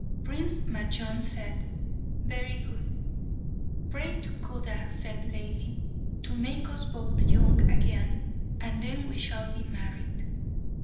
Prince Majnun said, "Very good." "Pray to Khuda," said Laili, "to make us both young again, and then we shall be married."